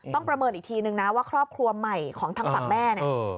ประเมินอีกทีนึงนะว่าครอบครัวใหม่ของทางฝั่งแม่เนี่ย